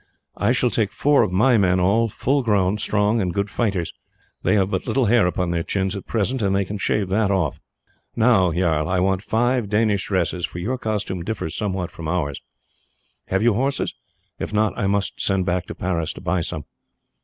I shall take four of my men, all full grown, strong, and good fighters. They have but little hair upon their chins at present, and they can shave that off. Now, jarl, I want five Danish dresses, for your costume differs somewhat from ours. Have you horses? If not, I must send back to Paris to buy some."